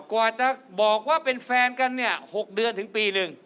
กว่าจะบอกว่าเป็นแฟนกันเนี่ย๖เดือนถึงปีหนึ่ง